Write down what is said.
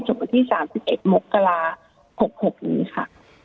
กว่าที่๓๑หมกกระลา๖๖อย่างนี้ค่ะ